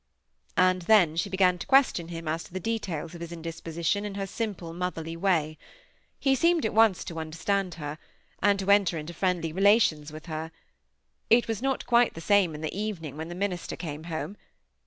And then she began to question him as to the details of his indisposition in her simple, motherly way. He seemed at once to understand her, and to enter into friendly relations with her. It was not quite the same in the evening when the minister came home.